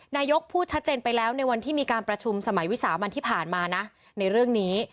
นายกพูดชัดเจนไปแล้วในวันที่มีการประชุมสมัยวิสามันที่ผ่านมานะในเรื่องนี้